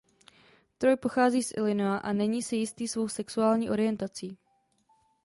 Troy pochází z Illinois a není si jistý svojí sexuální orientací.